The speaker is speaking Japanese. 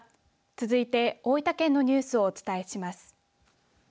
続いて、大分県のニュースをお伝えします。